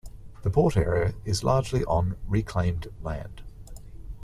The port area is largely on reclaimed land.